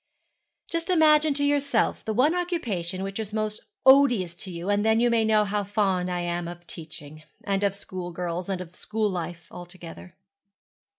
'Just imagine to yourself the one occupation which is most odious to you, and then you may know how fond I am of teaching; and of school girls; and of school life altogether.'